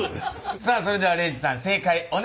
さあそれでは礼二さん正解お願いします。